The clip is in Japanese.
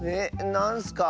なんすか？